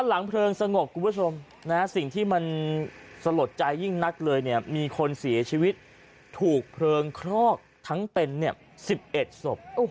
หลังเพลิงสงบคุณผู้ชมสิ่งที่มันสลดใจยิ่งนักเลยเนี่ยมีคนเสียชีวิตถูกเพลิงคลอกทั้งเป็น๑๑ศพ